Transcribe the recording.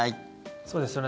そうですよね。